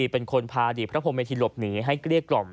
เป็นคนพาอดีตพระพรมเมธีหลบหนีให้เกลี้ยกล่อม